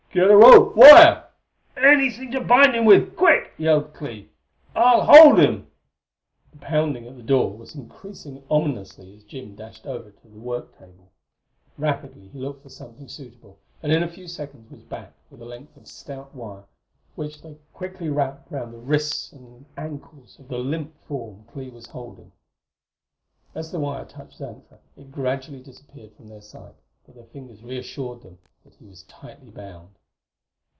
"Get a rope wire anything to bind him with quick!" yelled Clee. "I'll hold him!" The pounding at the door was increasing ominously is Jim dashed over to the work table. Rapidly he looked for something suitable, and in a few seconds was back with a length of stout wire which they quickly wrapped around the ankles and wrists of the limp form Clee was holding. As the wire touched Xantra it gradually disappeared from their sight, but their fingers reassured them that he was tightly bound.